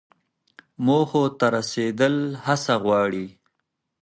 موخو ته رسیدل هڅه غواړي.